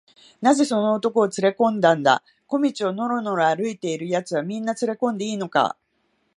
「なぜその男をつれこんだんだ？小路をのろのろ歩いているやつは、みんなつれこんでいいのか？」